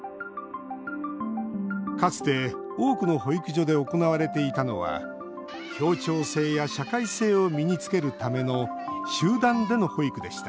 かつて多くの保育所で行われていたのは協調性や社会性を身につけるための集団での保育でした。